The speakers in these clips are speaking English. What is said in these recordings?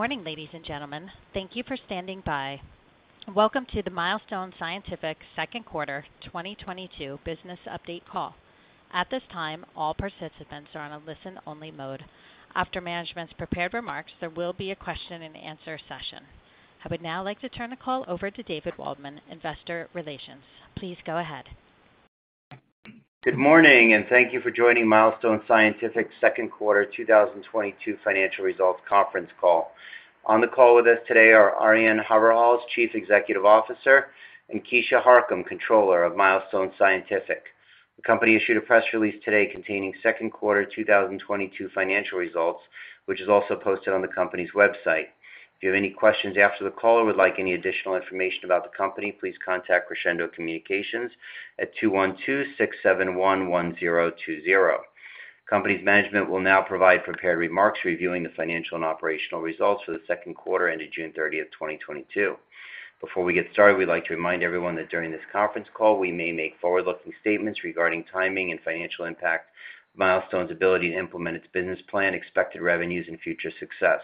Good morning ladies and gentlemen. Thank you for standing by. Welcome to the Milestone Scientific Second Quarter 2022 Business Update Call. At this time, all participants are on a listen only mode. After management's prepared remarks, there will be a question and answer session. I would now like to turn the call over to David Waldman, Investor Relations. Please go ahead. Good morning and thank you for joining Milestone Scientific second quarter 2022 financial results conference call. On the call with us today are Arjan Haverhals, Chief Executive Officer, and Keisha Harcum, Controller of Milestone Scientific. The company issued a press release today containing second quarter 2022 financial results, which is also posted on the company's website. If you have any questions after the call or would like any additional information about the company, please contact Crescendo Communications at 212-671-1020. Company's management will now provide prepared remarks reviewing the financial and operational results for the second quarter June 30th, 2022. Before we get started, we'd like to remind everyone that during this conference call we may make forward-looking statements regarding timing and financial impact, Milestone's ability to implement its business plan, expected revenues, and future success.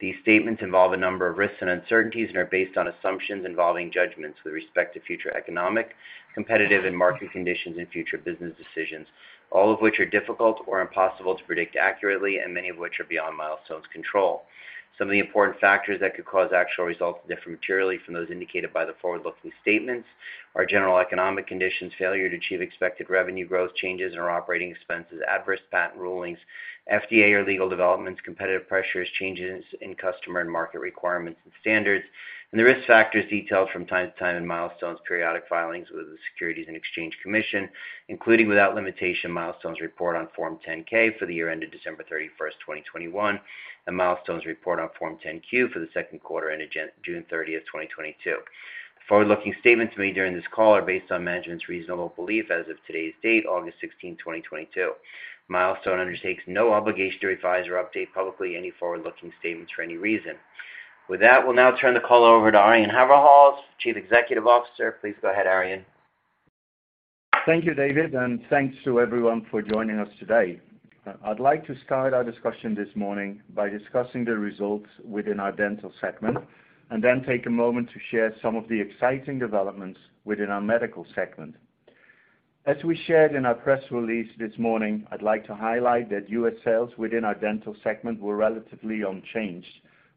These statements involve a number of risks and uncertainties and are based on assumptions involving judgments with respect to future economic, competitive, and market conditions and future business decisions, all of which are difficult or impossible to predict accurately and many of which are beyond Milestone's control. Some of the important factors that could cause actual results to differ materially from those indicated by the forward-looking statements are general economic conditions, failure to achieve expected revenue growth, changes in our operating expenses, adverse patent rulings, FDA or legal developments, competitive pressures, changes in customer and market requirements and standards, and the risk factors detailed from time to time in Milestone's periodic filings with the Securities and Exchange Commission, including, without limitation, Milestone's report on Form 10-K for the year ended December 31st, 2021, and Milestone's report on Form 10-Q for the second quarter June 30th, 2022. The forward-looking statements made during this call are based on management's reasonable belief as of today's date, August 16th, 2022. Milestone undertakes no obligation to revise or update publicly any forward-looking statements for any reason. With that, we'll now turn the call over to Arjan Haverhals, Chief Executive Officer. Please go ahead, Arjan. Thank you David and thanks to everyone for joining us today. I'd like to start our discussion this morning by discussing the results within our dental segment and then take a moment to share some of the exciting developments within our medical segment. As we shared in our press release this morning, I'd like to highlight that U.S. sales within our dental segment were relatively unchanged,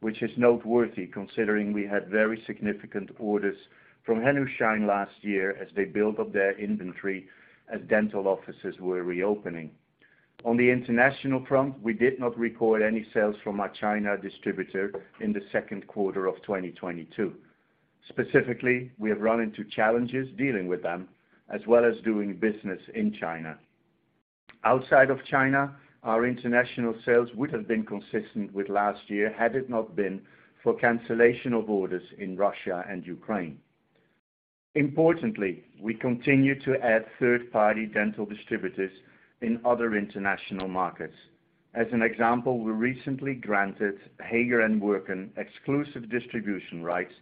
which is noteworthy considering we had very significant orders from Henry Schein last year as they built up their inventory as dental offices were reopening. On the international front, we did not record any sales from our China distributor in the second quarter of 2022. Specifically, we have run into challenges dealing with them as well as doing business in China. Outside of China, our international sales would have been consistent with last year had it not been for cancellation of orders in Russia and Ukraine. Importantly, we continue to add third-party dental distributors in other international markets. As an example, we recently granted Hager & Werken exclusive distribution rights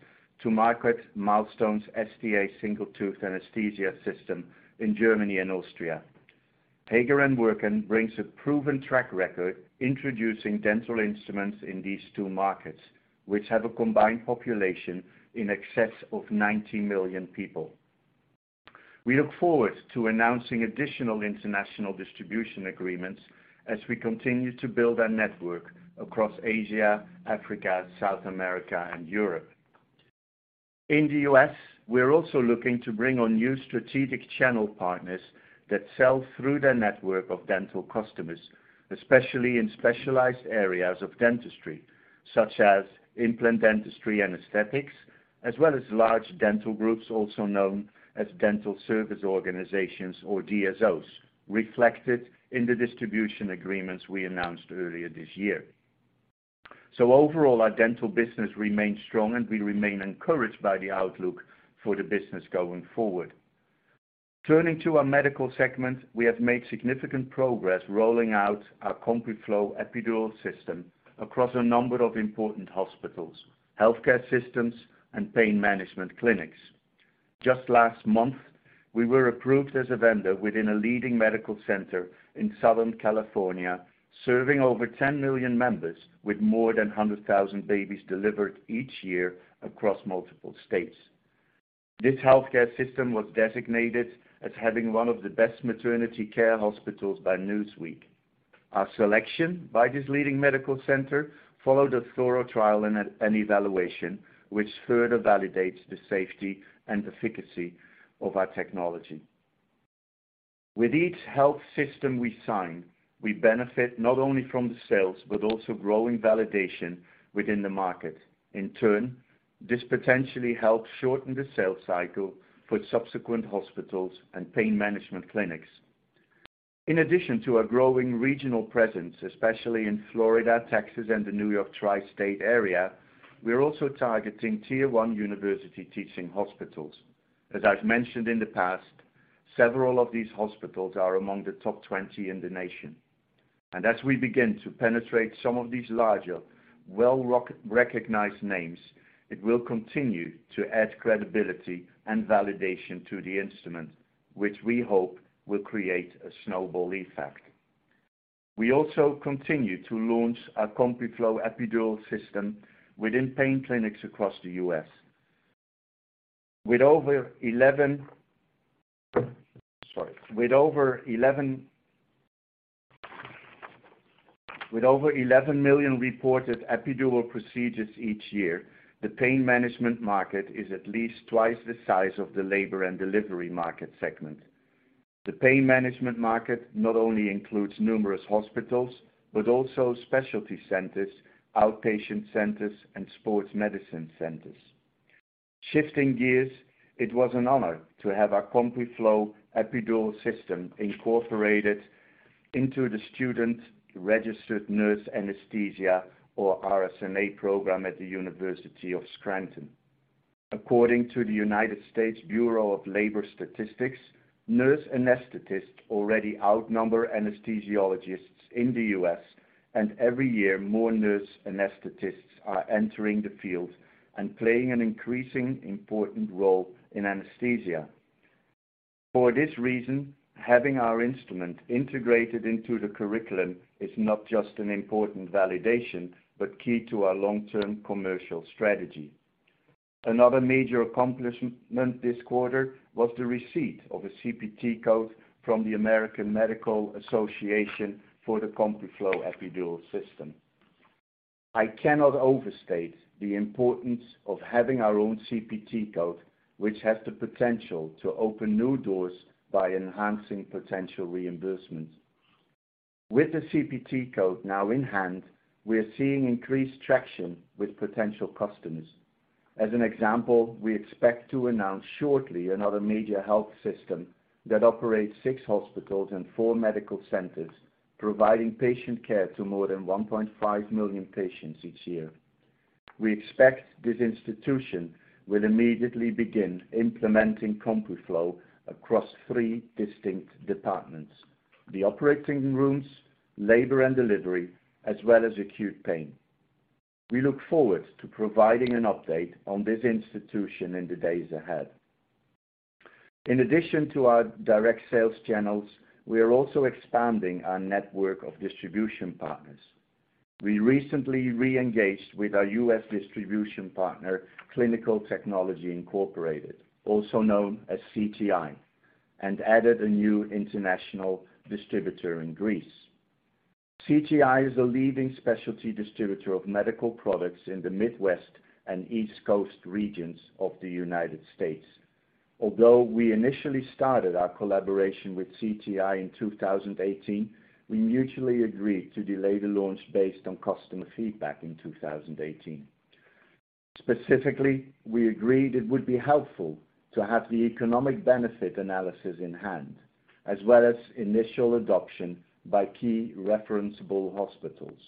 to market Milestone's STA Single Tooth Anesthesia System in Germany and Austria. Hager & Werken brings a proven track record introducing dental instruments in these two markets, which have a combined population in excess of 90 million people. We look forward to announcing additional international distribution agreements as we continue to build our network across Asia, Africa, South America, and Europe. In the U.S. we're also looking to bring on new strategic channel partners that sell through their network of dental customers especially in specialized areas of dentistry, such as implant dentistry anesthetics, as well as large dental groups, also known as dental service organizations or DSOs, reflected in the distribution agreements we announced earlier this year. Overall, our dental business remains strong, and we remain encouraged by the outlook for the business going forward. Turning to our medical segment, we have made significant progress rolling out our CompuFlo Epidural System across a number of important hospitals, healthcare systems, and pain management clinics. Just last month, we were approved as a vendor within a leading medical center in Southern California, serving over 10 million members with more than 100,000 babies delivered each year across multiple states. This healthcare system was designated as having one of the best maternity care hospitals by Newsweek. Our selection by this leading medical center followed a thorough trial and evaluation which further validates the safety and efficacy of our technology. With each health system we sign, we benefit not only from the sales but also growing validation within the market. In turn, this potentially helps shorten the sales cycle for subsequent hospitals and pain management clinics. In addition to our growing regional presence, especially in Florida, Texas, and the New York tri-state area, we're also targeting tier one university teaching hospitals. As I've mentioned in the past, several of these hospitals are among the top 20 in the nation. As we begin to penetrate some of these larger, well-recognized names, it will continue to add credibility and validation to the instrument, which we hope will create a snowball effect. We also continue to launch our CompuFlo Epidural System within pain clinics across the U.S. With over 11 million reported epidural procedures each year, the pain management market is at least twice the size of the labor and delivery market segment. The pain management market not only includes numerous hospitals, but also specialty centers, outpatient centers, and sports medicine centers. Shifting gears, it was an honor to have our CompuFlo Epidural System incorporated into the student registered nurse anesthetist or SRNA program at the University of Scranton. According to the U.S. Bureau of Labor Statistics, nurse anesthetists already outnumber anesthesiologists in the U.S., and every year, more nurse anesthetists are entering the field and playing an increasingly important role in anesthesia. For this reason, having our instrument integrated into the curriculum is not just an important validation, but key to our long-term commercial strategy. Another major accomplishment this quarter was the receipt of a CPT code from the American Medical Association for the CompuFlo Epidural System. I cannot overstate the importance of having our own CPT code, which has the potential to open new doors by enhancing potential reimbursement. With the CPT code now in hand, we're seeing increased traction with potential customers. As an example, we expect to announce shortly another major health system that operates six hospitals and four medical centers, providing patient care to more than 1.5 million patients each year. We expect this institution will immediately begin implementing CompuFlo across three distinct departments, the operating rooms, labor and delivery, as well as acute pain. We look forward to providing an update on this institution in the days ahead. In addition to our direct sales channels, we are also expanding our network of distribution partners. We recently re-engaged with our U.S. distribution partner, Clinical Technology Incorporated, also known as CTI, and added a new international distributor in Greece. CTI is a leading specialty distributor of medical products in the Midwest and East Coast regions of the United States. Although we initially started our collaboration with CTI in 2018, we mutually agreed to delay the launch based on customer feedback in 2018. Specifically, we agreed it would be helpful to have the economic benefit analysis in hand, as well as initial adoption by key referenceable hospitals.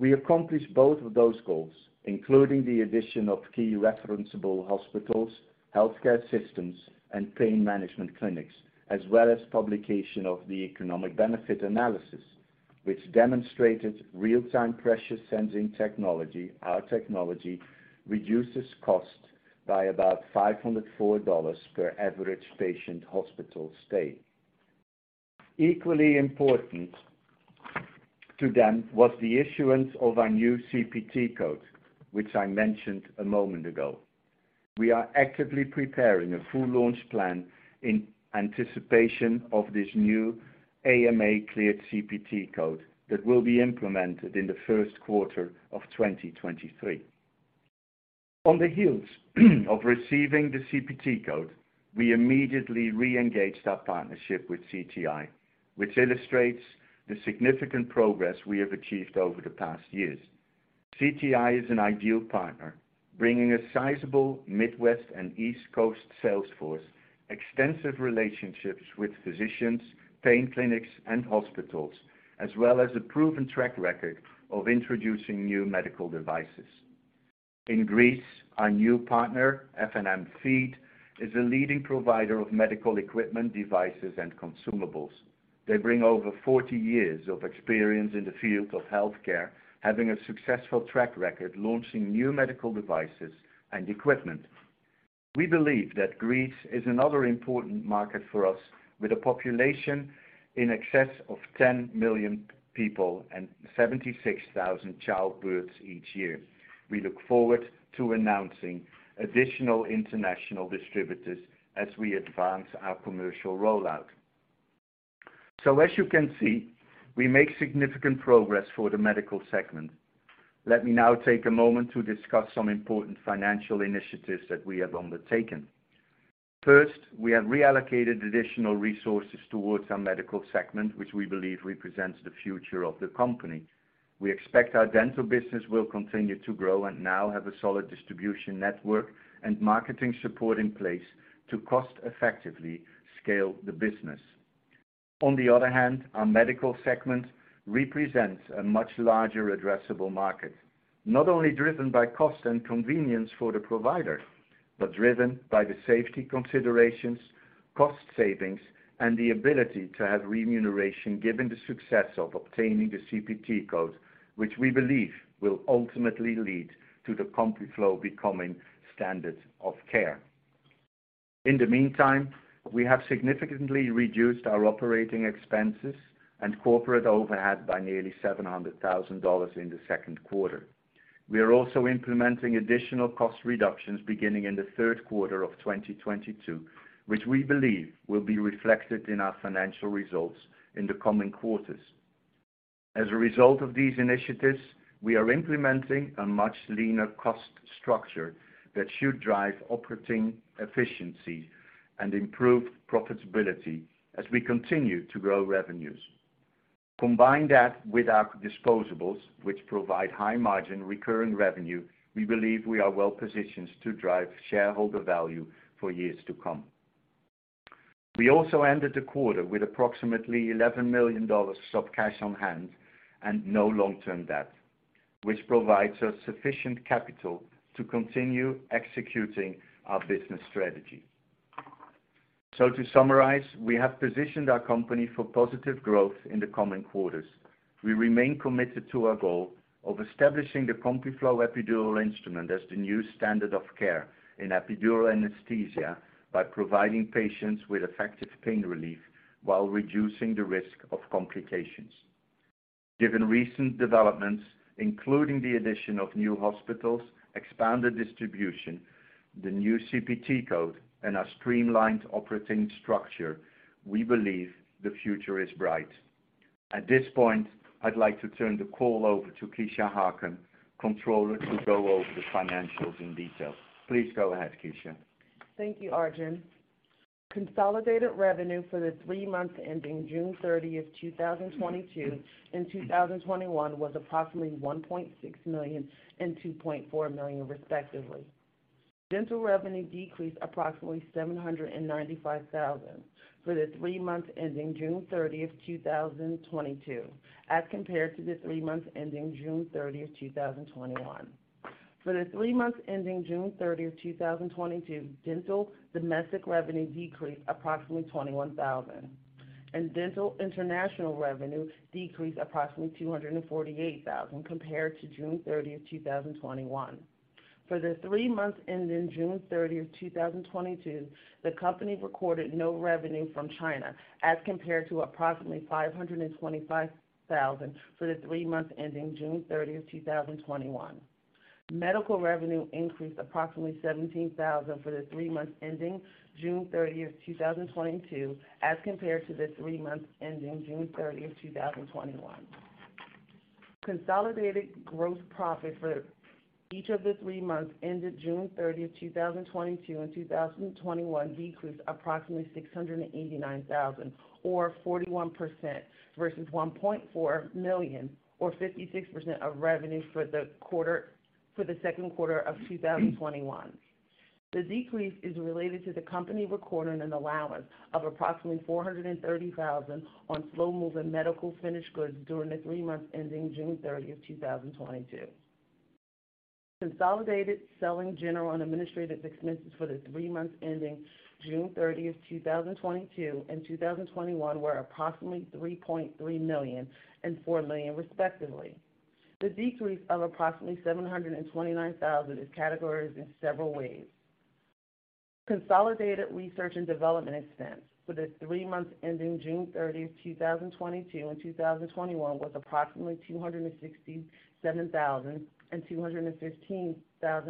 We accomplished both of those goals, including the addition of key referenceable hospitals, healthcare systems, and pain management clinics, as well as publication of the economic benefit analysis, which demonstrated real-time pressure sensing technology, our technology, reduces cost by about $504 per average patient hospital stay. Equally important to them was the issuance of our new CPT code, which I mentioned a moment ago. We are actively preparing a full launch plan in anticipation of this new AMA-cleared CPT code that will be implemented in the first quarter of 2023. On the heels of receiving the CPT code, we immediately re-engaged our partnership with CTI, which illustrates the significant progress we have achieved over the past years. CTI is an ideal partner, bringing a sizable Midwest and East Coast sales force, extensive relationships with physicians, pain clinics, and hospitals, as well as a proven track record of introducing new medical devices. In Greece, our new partner, F&M Feid, is a leading provider of medical equipment, devices, and consumables. They bring over 40 years of experience in the field of healthcare, having a successful track record launching new medical devices and equipment. We believe that Greece is another important market for us, with a population in excess of 10 million people and 76,000 childbirths each year. We look forward to announcing additional international distributors as we advance our commercial rollout. As you can see, we make significant progress for the medical segment. Let me now take a moment to discuss some important financial initiatives that we have undertaken. First, we have reallocated additional resources towards our medical segment, which we believe represents the future of the company. We expect our dental business will continue to grow and now have a solid distribution network and marketing support in place to cost-effectively scale the business. On the other hand, our medical segment represents a much larger addressable market, not only driven by cost and convenience for the provider, but driven by the safety considerations, cost savings, and the ability to have remuneration given the success of obtaining the CPT code, which we believe will ultimately lead to the CompuFlo becoming standard of care. In the meantime, we have significantly reduced our operating expenses and corporate overhead by nearly $700,000 in the second quarter. We are also implementing additional cost reductions beginning in the third quarter of 2022, which we believe will be reflected in our financial results in the coming quarters. As a result of these initiatives, we are implementing a much leaner cost structure that should drive operating efficiency and improve profitability as we continue to grow revenues. Combine that with our disposables, which provide high margin recurring revenue, we believe we are well-positioned to drive shareholder value for years to come. We also ended the quarter with approximately $11 million of cash on hand and no long-term debt, which provides us sufficient capital to continue executing our business strategy. To summarize, we have positioned our company for positive growth in the coming quarters. We remain committed to our goal of establishing the CompuFlo epidural instrument as the new standard of care in epidural anesthesia by providing patients with effective pain relief while reducing the risk of complications. Given recent developments, including the addition of new hospitals, expanded distribution, the new CPT code, and our streamlined operating structure, we believe the future is bright. At this point, I'd like to turn the call over to Keisha Harcum, Controller, to go over the financials in detail. Please go ahead, Keisha. Thank you Arjan. Consolidated revenue for the three months June 30th, 2022 and 2021 was approximately $1.6 million and $2.4 million, respectively. Dental revenue decreased approximately $795, 000 for the three months June 30th, 2022, as compared to the three months June 30th, 2021. For the three months June 30th, 2022, dental domestic revenue decreased approximately $21, 000 and dental international revenue decreased approximately $248, 000 compared June 30th, 2021. For the three months June 30th, 2022, the company recorded no revenue from China as compared to approximately $525, 000 for the three months June 30th, 2021. Medical revenue increased approximately $17,000 for the three months June 30th, 2022, as compared to the three months June 30th, 2021. Consolidated gross profit for each of the three months June 30th, 2022 and 2021 decreased approximately $689,000 or 41% versus $1.4 million or 56% of revenue for the second quarter of 2021. The decrease is related to the company recording an allowance of approximately $430,000 on slow-moving medical finished goods during the three months June 30th, 2022. Consolidated selling general and administrative expenses for the three months June 30th, 2022 and 2021 were approximately $3.3 million and $4 million, respectively. The decrease of approximately $729,000 is categorized in several ways. Consolidated research and development expense for the three months June 30th, 2022 and 2021 was approximately $267,000 and $215,000,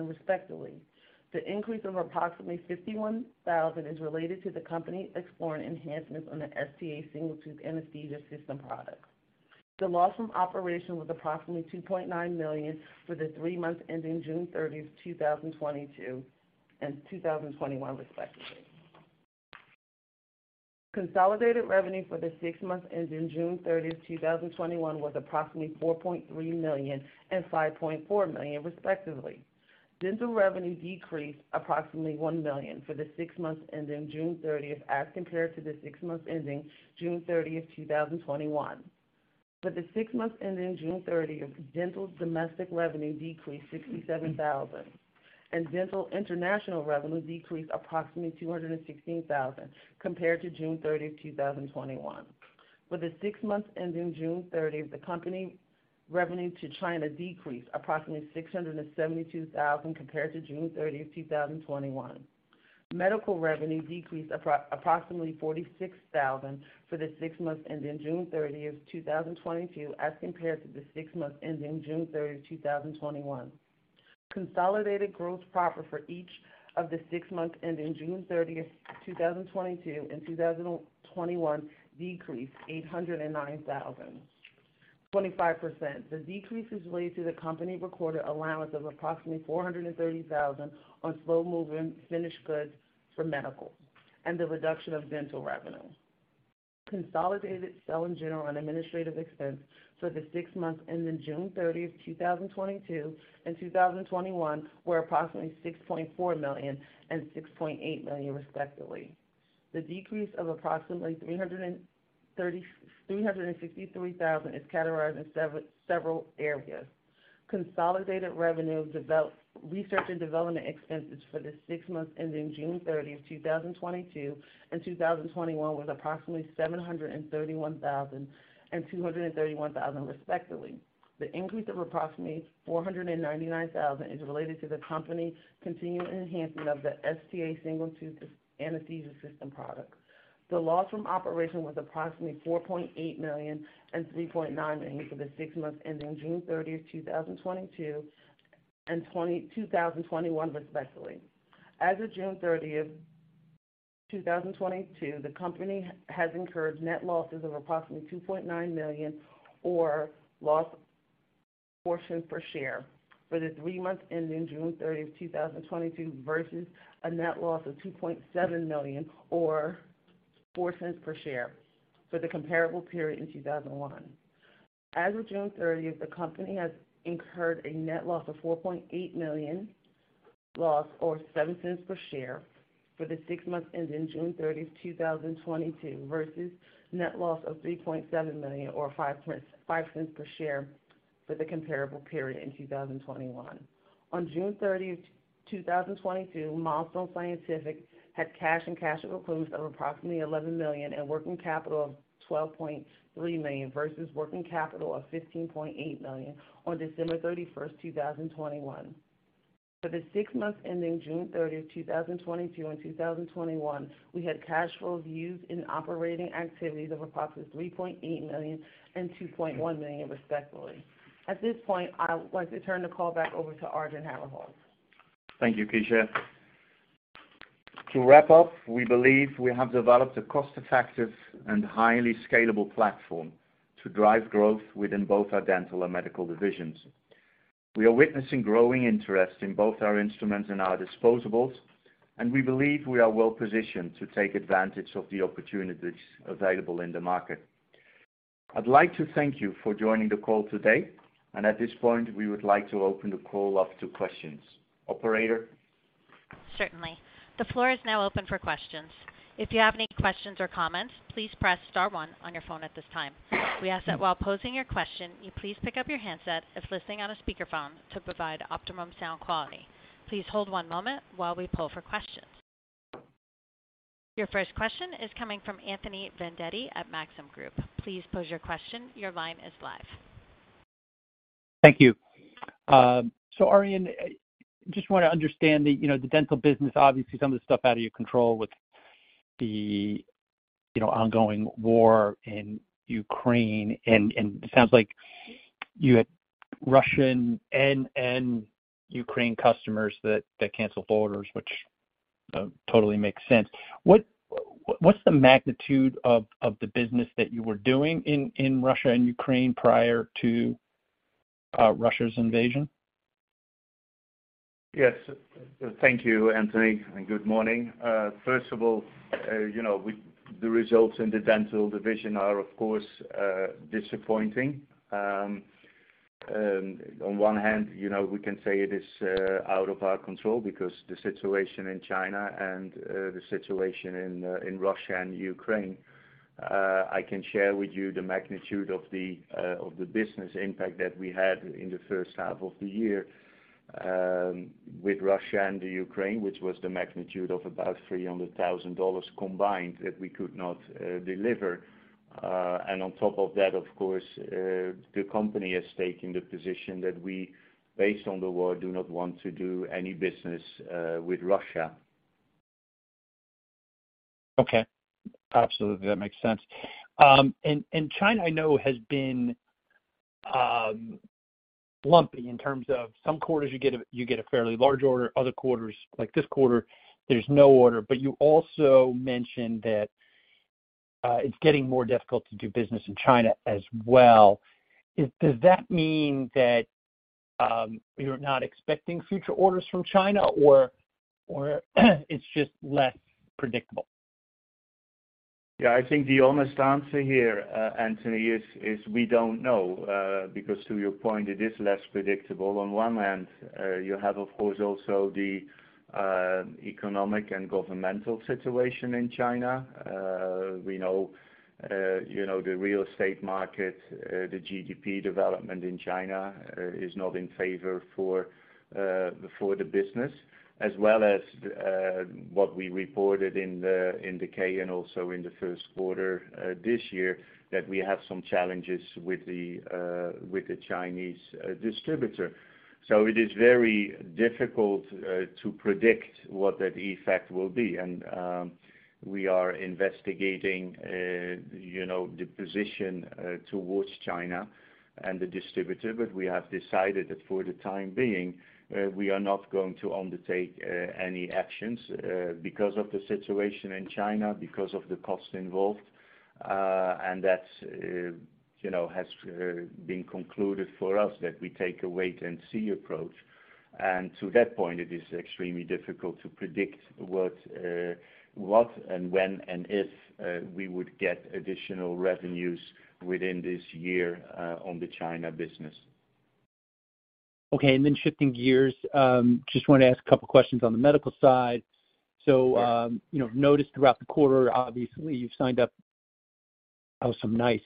respectively. The increase of approximately $51,000 is related to the company exploring enhancements on the STA Single Tooth Anesthesia System product. The loss from operations was approximately $2.9 million for the three months ending June 30th, 2022 and 2021, respectively. Consolidated revenue for the six months ending June 30th, 2022 and 2021 was approximately $4.3 million and $5.4 million, respectively. Dental revenue decreased approximately $1 million for the six months ending June 30th, 2022 as compared to the six months ending June 30th, 2021. For the six months ending June 30th, dental domestic revenue decreased $67,000, and dental international revenue decreased approximately $216,000 compared to June 30th, 2021. For the six months ending June 30th, the company revenue to China decreased approximately $672,000 compared to June 30th, 2021. Medical revenue decreased approximately $46,000 for the six months ending June 30th, 2022, as compared to the six months ending June 30th, 2021. Consolidated gross profit for each of the six months ending June 30th, 2022 and 2021 decreased $809,000, 25%. The decrease is related to the company recorded allowance of approximately $430,000 on slow-moving finished goods for medical and the reduction of dental revenue. Consolidated selling, general, and administrative expense for the six months ending June 30th, 2022 and 2021 were approximately $6.4 million and $6.8 million, respectively. The decrease of approximately $363,000 is categorized in several areas. Consolidated research and development expenses for the six months ending June 30th, 2022 and 2021 was approximately $731,000 and $231,000 respectively. The increase of approximately $499,000 is related to the company continuing enhancement of the STA Single Tooth Anesthesia System product. The loss from operation was approximately $4.8 million and $3.9 million for the six months ending June 30th, 2022 and 2021 respectively. As of June 30th, 2022, the company has incurred net losses of approximately $2.9 million or loss of $0.04 per share for the three months ending June 30th, 2022 versus a net loss of $2.7 million or $0.04 per share for the comparable period in 2021. As of June 30th, the company has incurred a net loss of $4.8 million loss or $0.07 per share for the six months ending June 30th, 2022 versus net loss of $3.7 million or $0.055 per share for the comparable period in 2021. On June 30th, 2022, Milestone Scientific had cash and cash equivalents of approximately $11 million and working capital of $12.3 million versus working capital of $15.8 million on December 31st, 2021. For the six months ending June 30th, 2022 and 2021, we had cash flows used in operating activities of approximately $3.8 million and $2.1 million respectively. At this point, I would like to turn the call back over to Arjan Haverhals. Thank you Keisha. To wrap up, we believe we have developed a cost-effective and highly scalable platform to drive growth within both our dental and medical divisions. We are witnessing growing interest in both our instruments and our disposables, and we believe we are well-positioned to take advantage of the opportunities available in the market. I'd like to thank you for joining the call today, and at this point we would like to open the call up to questions. Operator. Certainly. The floor is now open for questions. If you have any questions or comments, please press star one on your phone at this time. We ask that while posing your question, you please pick up your handset if listening on a speakerphone to provide optimum sound quality. Please hold one moment while we pull for questions. Your first question is coming from Anthony Vendetti at Maxim Group. Please pose your question. Your line is live. Thank you. Arjan, just wanna understand that, you know, the dental business, obviously some of the stuff out of your control with the, you know, ongoing war in Ukraine and it sounds like you had Russian and Ukraine customers that canceled orders, which totally makes sense. What's the magnitude of the business that you were doing in Russia and Ukraine prior to Russia's invasion? Yes. Thank you Anthony and good morning. First of all, you know, the results in the dental division are, of course, disappointing. On one hand, you know, we can say it is out of our control because the situation in China and the situation in Russia and Ukraine. I can share with you the magnitude of the business impact that we had in the H1 of the year with Russia and the Ukraine, which was the magnitude of about $300,000 combined that we could not deliver. On top of that, of course, the company has taken the position that we, based on the war, do not want to do any business with Russia. Okay. Absolutely. That makes sense. China, I know, has been lumpy in terms of some quarters, you get a fairly large order, other quarters, like this quarter, there's no order. You also mentioned that it's getting more difficult to do business in China as well. Does that mean that you're not expecting future orders from China or it's just less predictable? Yeah. I think the honest answer here, Anthony, is we don't know, because to your point, it is less predictable. On one hand, you have of course also the economic and governmental situation in China. We know, you know, the real estate market, the GDP development in China, is not in favor for the business, as well as what we reported in the 10-K and also in the first quarter this year, that we have some challenges with the Chinese distributor. It is very difficult to predict what that effect will be. We are investigating, you know, the position towards China and the distributor. We have decided that for the time being, we are not going to undertake any actions because of the situation in China, because of the cost involved. That's, you know, has been concluded for us that we take a wait and see approach. To that point, it is extremely difficult to predict what and when and if we would get additional revenues within this year on the China business. Okay. Shifting gears, just wanna ask a couple questions on the medical side. You know, noticed throughout the quarter, obviously, you've signed up. Oh, some nice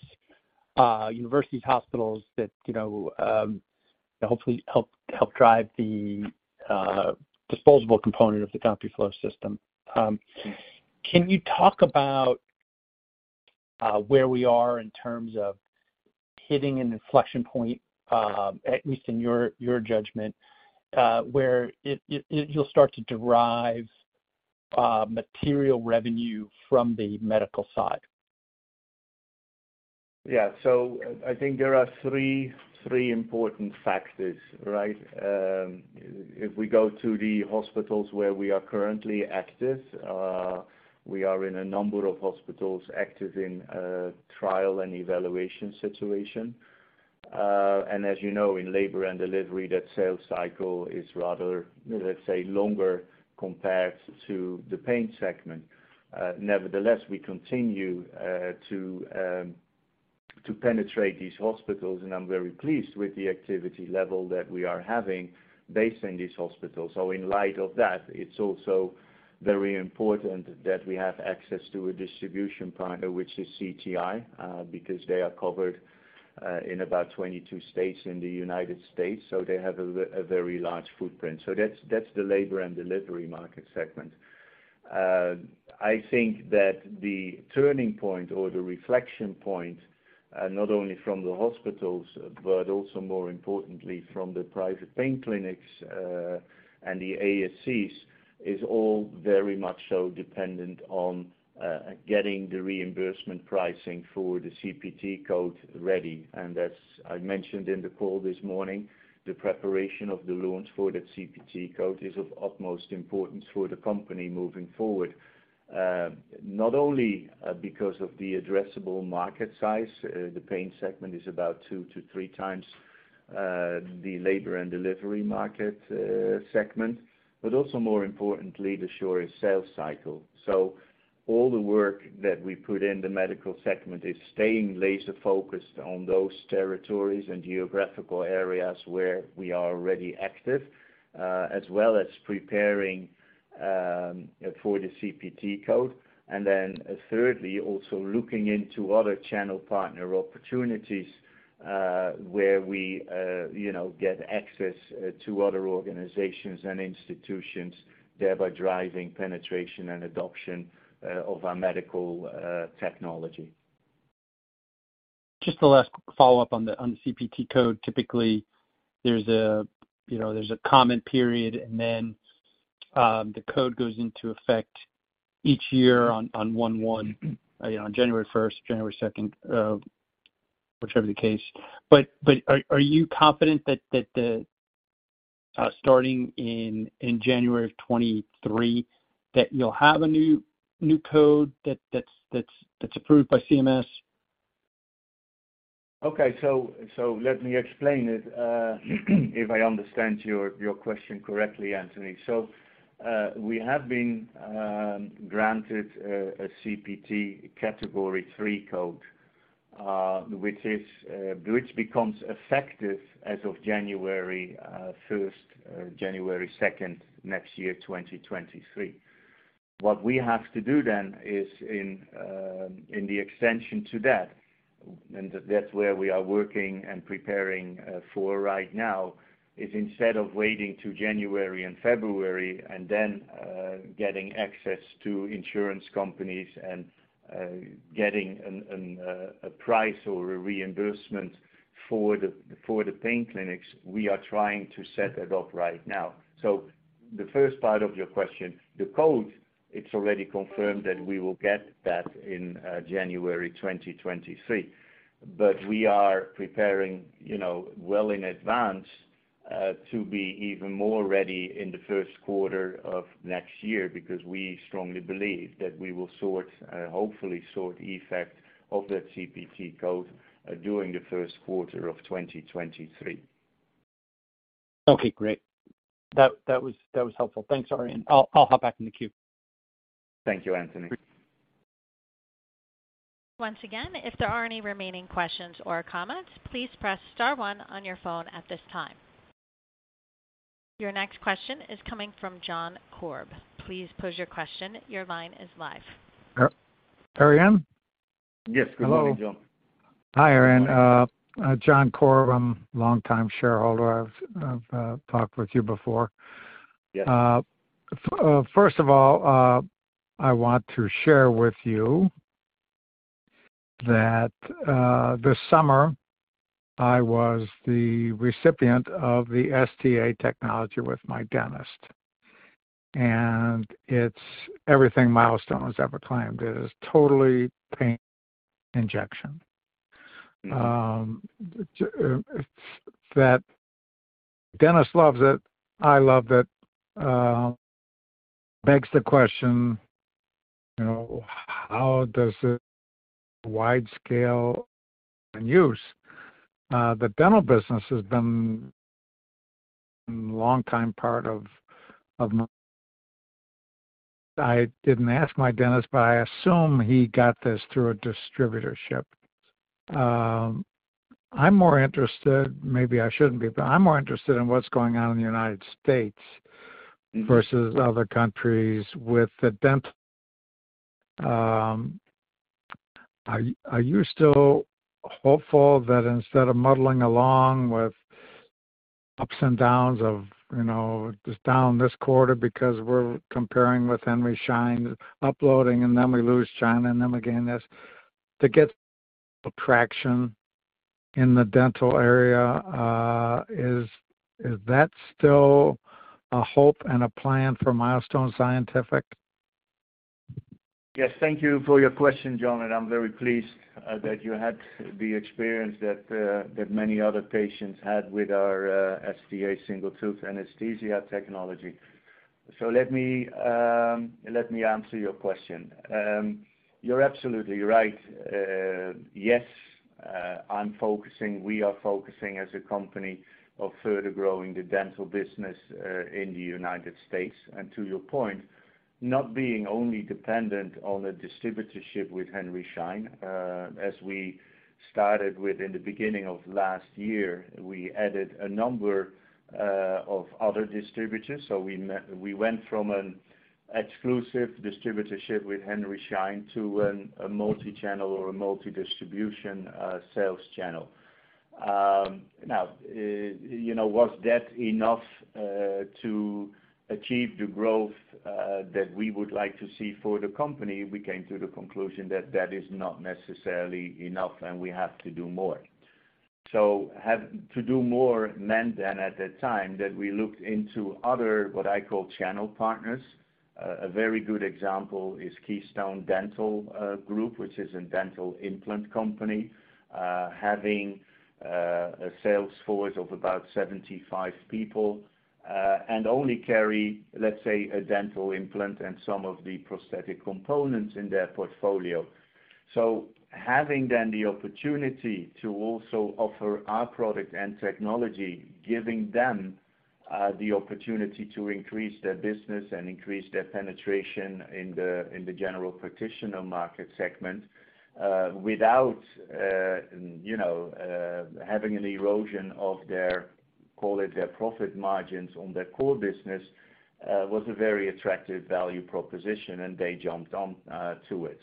universities, hospitals that, you know, hopefully help drive the disposable component of the CompuFlo system. Can you talk about where we are in terms of hitting an inflection point, at least in your judgment, where you'll start to derive material revenue from the medical side? Yeah. I think there are three important factors, right? If we go to the hospitals where we are currently active, we are in a number of hospitals active in a trial and evaluation situation. As you know, in labor and delivery, that sales cycle is rather, let's say, longer compared to the pain segment. Nevertheless, we continue to penetrate these hospitals, and I'm very pleased with the activity level that we are having based in these hospitals. In light of that, it's also very important that we have access to a distribution partner, which is CTI, because they are covered in about 22 states in the United States, so they have a very large footprint. That's the labor and delivery market segment. I think that the turning point or the reflection point, not only from the hospitals, but also more importantly from the private pain clinics, and the ASCs, is all very much so dependent on, getting the reimbursement pricing for the CPT code ready. As I mentioned in the call this morning, the preparation of the launch for that CPT code is of utmost importance for the company moving forward. Not only because of the addressable market size, the pain segment is about 2-3x the labor and delivery market segment, but also, more importantly, the shorter sales cycle. All the work that we put in the medical segment is staying laser-focused on those territories and geographical areas where we are already active, as well as preparing for the CPT code. Thirdly, also looking into other channel partner opportunities, where we, you know, get access to other organizations and institutions, thereby driving penetration and adoption of our medical technology. Just the last follow-up on the CPT code. Typically, there's a comment period, and then the code goes into effect each year on January 1st, January 2nd, whichever the case. Are you confident that the starting in January of 2023, that you'll have a new code that's approved by CMS? Okay. Let me explain it, if I understand your question correctly, Anthony. We have been granted a CPT Category III code, which becomes effective as of January 1st, January 2nd, next year 2023. What we have to do then is in the extension to that, and that's where we are working and preparing for right now, is instead of waiting till January and February and then getting access to insurance companies and getting a price or a reimbursement for the pain clinics, we are trying to set that up right now. The first part of your question, the code, it's already confirmed that we will get that in January 2023. We are preparing, you know, well in advance, to be even more ready in the first quarter of next year because we strongly believe that we will sort hopefully the effect of that CPT code during the first quarter of 2023. Okay, great. That was helpful. Thanks Arjan. I'll hop back in the queue. Thank you Anthony. Once again, if there are any remaining questions or comments, please press star one on your phone at this time. Your next question is coming from John Corb. Please pose your question. Your line is live. Arjan? Yes. Good morning John. Hello. Hi, Arjan. John Corb. I'm a longtime shareholder. I've talked with you before. Yes. First of all, I want to share with you that this summer, I was the recipient of the STA technology with my dentist, and it's everything Milestone has ever claimed. It is totally painless injection. That dentist loves it. I love it. Begs the question, you know, how does it wide-scale in use? The dental business has been long time part of. I didn't ask my dentist, but I assume he got this through a distributorship. I'm more interested, maybe I shouldn't be, but I'm more interested in what's going on in the United States. Mm-hmm. Versus other countries with the dental. Are you still hopeful that instead of muddling along with ups and downs, you know, just down this quarter because we're comparing with Henry Schein uploading, and then we lose China, and then we gain this, to get traction in the dental area, is that still a hope and a plan for Milestone Scientific? Yes, thank you for your question John and I'm very pleased that you had the experience that that many other patients had with our STA, Single Tooth Anesthesia Technology. Let me answer your question. You're absolutely right. Yes, we are focusing as a company on further growing the dental business in the United States. To your point, not being only dependent on a distributorship with Henry Schein. As we started with in the beginning of last year, we added a number of other distributors. We went from an exclusive distributorship with Henry Schein to a multi-channel or a multi-distribution sales channel. Now, you know, was that enough to achieve the growth that we would like to see for the company? We came to the conclusion that is not necessarily enough, and we have to do more. Have to do more meant then at that time, that we looked into other, what I call channel partners. A very good example is Keystone Dental Group, which is a dental implant company, having a sales force of about 75 people, and only carry, let's say, a dental implant and some of the prosthetic components in their portfolio. Having then the opportunity to also offer our product and technology, giving them the opportunity to increase their business and increase their penetration in the general practitioner market segment, without having an erosion of their, call it, their profit margins on their core business, was a very attractive value proposition, and they jumped on to it.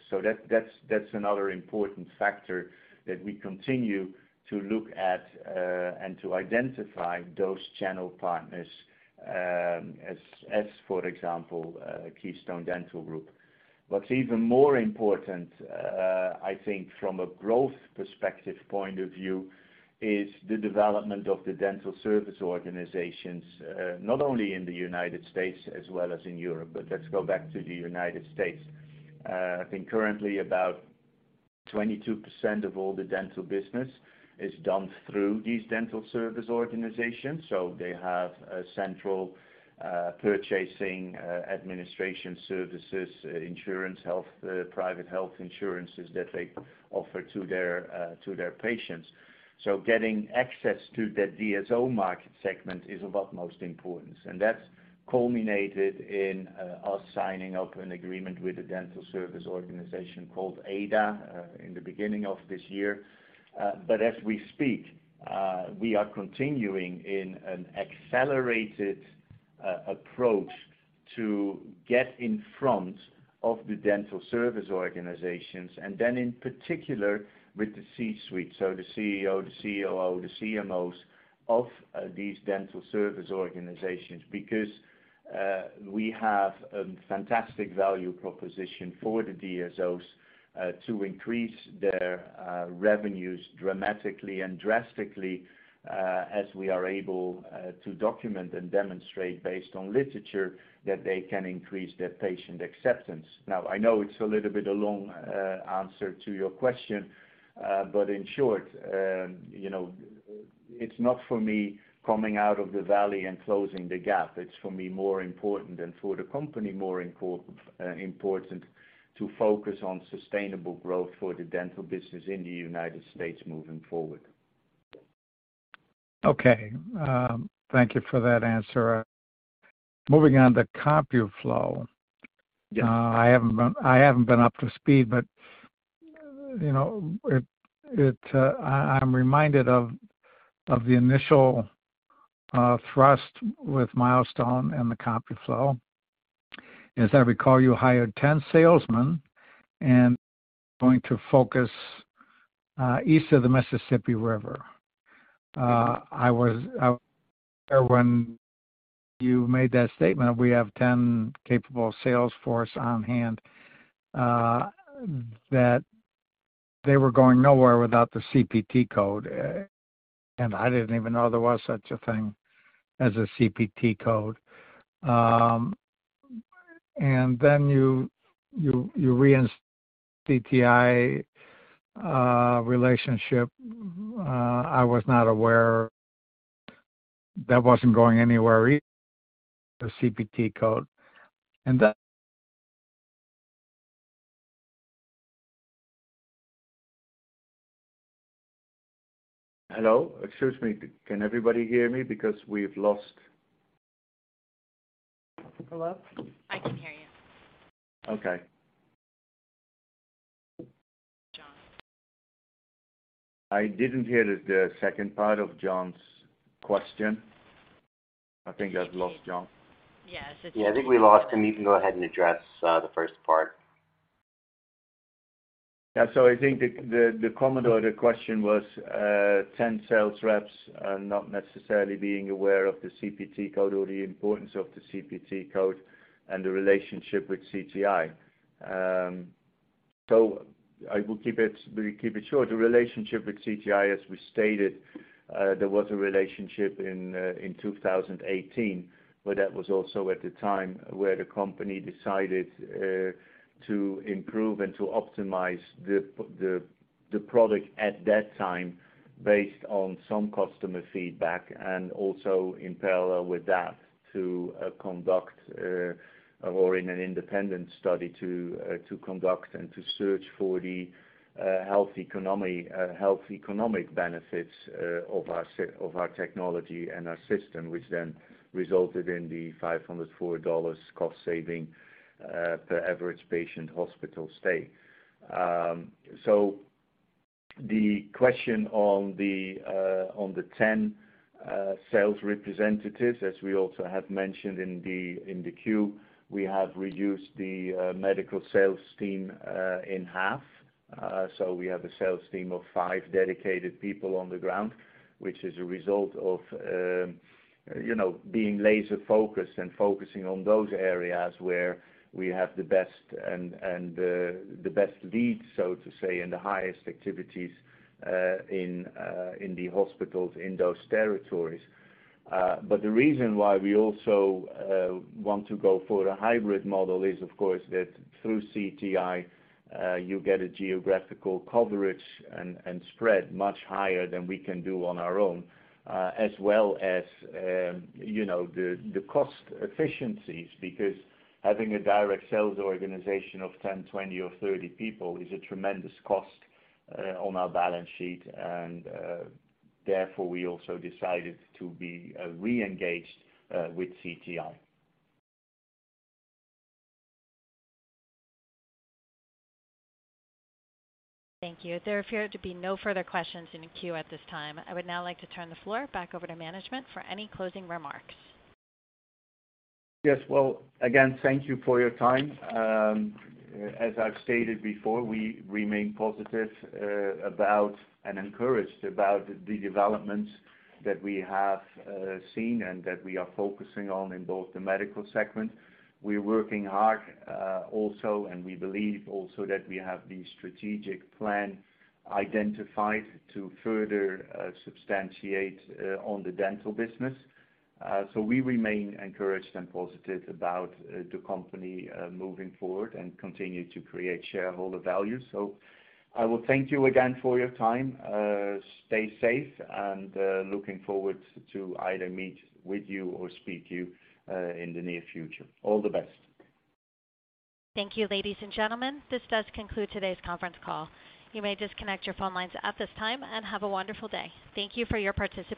That's another important factor that we continue to look at and to identify those channel partners, as for example, Keystone Dental Group. What's even more important, I think from a growth perspective point of view, is the development of the dental service organizations, not only in the United States as well as in Europe, but let's go back to the United States. I think currently about 22% of all the dental business is done through these dental service organizations. They have a central purchasing administration services, insurance, health, private health insurances that they offer to their patients. Getting access to that DSO market segment is of utmost importance. That's culminated in us signing up an agreement with a dental service organization called AIDA in the beginning of this year. As we speak, we are continuing in an accelerated approach to get in front of the dental service organizations and then in particular with the C-suite, so the CEO, the COO, the CMOs of these dental service organizations. Because we have a fantastic value proposition for the DSOs to increase their revenues dramatically and drastically, as we are able to document and demonstrate based on literature that they can increase their patient acceptance. Now, I know it's a little bit a long answer to your question, but in short, you know, it's not for me coming out of the valley and closing the gap. It's for me, more important and for the company, more important to focus on sustainable growth for the dental business in the United States moving forward. Okay. Thank you for that answer. Moving on to CompuFlo. Yeah. I haven't been up to speed, but you know, I'm reminded of the initial thrust with Milestone and the CompuFlo. As I recall, you hired 10 salesmen and going to focus east of the Mississippi River. When you made that statement, we have 10 capable sales force on hand, that they were going nowhere without the CPT code. I didn't even know there was such a thing as a CPT code. And then the CTI relationship, I was not aware that wasn't going anywhere with the CPT code. Hello. Excuse me. Can everybody hear me? Hello? I can hear you. Okay. John. I didn't hear the second part of John's question. I think I've lost John. Yes, I think. Yeah, I think we lost him. You can go ahead and address the first part. Yeah. I think the Commodore, the question was, 10 sales reps are not necessarily being aware of the CPT code or the importance of the CPT code and the relationship with CTI. I will keep it short. The relationship with CTI, as we stated, there was a relationship in 2018, but that was also at the time where the company decided to improve and to optimize the product at that time based on some customer feedback and also in parallel with that to conduct an independent study to search for the health economic benefits of our technology and our system, which then resulted in the $504 cost saving per average patient hospital stay. The question on the 10 sales representatives, as we also have mentioned in the 10-Q, we have reduced the medical sales team in half. We have a sales team of five dedicated people on the ground, which is a result of, you know, being laser-focused and focusing on those areas where we have the best and the best leads, so to say, and the highest activities, in the hospitals in those territories. The reason why we also want to go for a hybrid model is, of course, that through CTI, you get a geographical coverage and spread much higher than we can do on our own, as well as, you know, the cost efficiencies. Because having a direct sales organization of 10, 20 or 30 people is a tremendous cost, on our balance sheet and, therefore, we also decided to be re-engaged with CTI. Thank you. There appear to be no further questions in the queue at this time. I would now like to turn the floor back over to management for any closing remarks. Yes. Well, again, thank you for your time. As I've stated before, we remain positive about and encouraged about the developments that we have seen and that we are focusing on in both the medical segment. We're working hard, also, and we believe also that we have the strategic plan identified to further substantiate on the dental business. We remain encouraged and positive about the company moving forward and continue to create shareholder value. I will thank you again for your time. Stay safe and looking forward to either meet with you or speak to you in the near future. All the best. Thank you, ladies and gentlemen. This does conclude today's conference call. You may disconnect your phone lines at this time and have a wonderful day. Thank you for your participation.